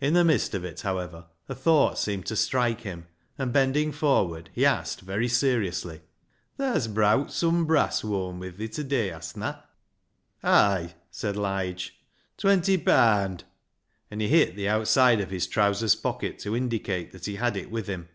In the midst of it, however, a thought seemed to strike him, and, bending forward, he asked very seriously— " Thaa's browt sum brass whoam wi' thi ta day, hast na ?"" Ay," said Lige ;" twenty paand," and he hit the outside of his trousers pocket to indicate that he had it with him.